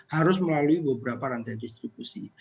harus melalui beberapa rantai distribusi